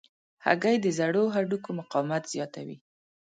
هګۍ د زړو هډوکو مقاومت زیاتوي.